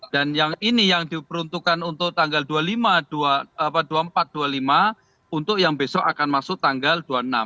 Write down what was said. dan yang ini yang diperuntukkan untuk tanggal dua puluh empat dua puluh lima untuk yang besok akan masuk tanggal dua puluh enam